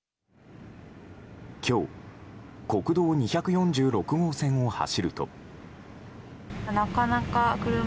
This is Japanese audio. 今日国道２４６号線を走ると。